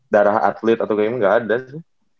darah atlet atau kayaknya ga ada sih